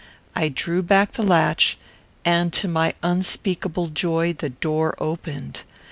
I drew back the latch, and, to my unspeakable joy, the door opened.